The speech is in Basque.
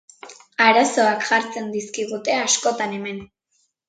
Arazoak jartzen dizkigute askotan hemen.